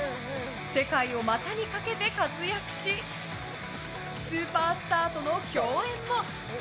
世界を股にかけて活躍しスーパースタートの共演も。